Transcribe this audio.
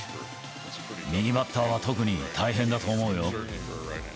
右バッターは特に大変だと思うよ。